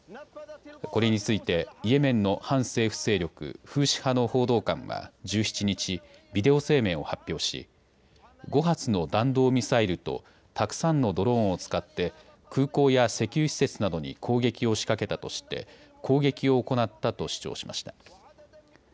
これについてイエメンの反政府勢力、フーシ派の報道官は１７日、ビデオ声明を発表し、５発の弾道ミサイルとたくさんのドローンを使って空港や石油施設などに攻撃を仕掛けたとして攻撃を行ったと主張しました。